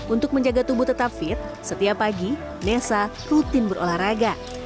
untuk menjaga tubuh tetap fit setiap pagi nessa rutin berolahraga